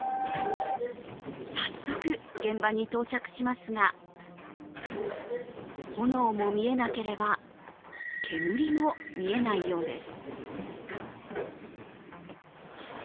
早速、現場に到着しますが、炎も見えなければ、煙も見えないようです。